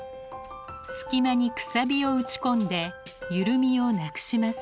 隙間にくさびを打ち込んで緩みをなくします。